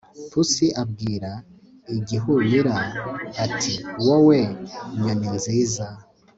pussy abwira igihunyira ati wowe nyoni nziza